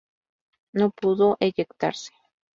No pudo eyectarse.